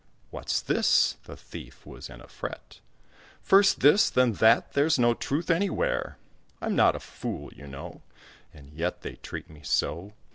"What's this?" the thief was in a fret; "First this, then that, there's no truth anywhere; I'm not a fool, you know, And yet they treat me so.